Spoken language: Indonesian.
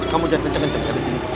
kamu jangan pencep pencep disini